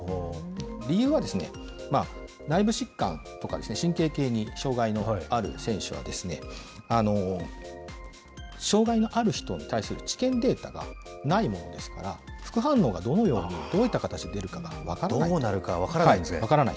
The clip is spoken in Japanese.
理由は、内部疾患とか神経系に障害のある選手は、障害のある人に対する治験データがないものですから、副反応がどのように、どういった形で出るかが分からない。